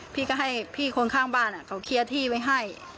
พี่คนข้างบ้านเขาเคลียร์ที่ไว้ให้